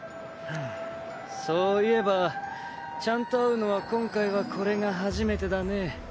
ふむそういえばちゃんと会うのは今回はこれが初めてだね。